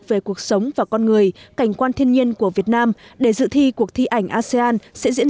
về cuộc sống và con người cảnh quan thiên nhiên của việt nam để dự thi cuộc thi ảnh asean sẽ diễn